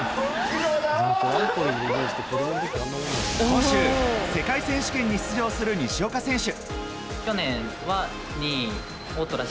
今週、世界選手権に出場する西岡選手。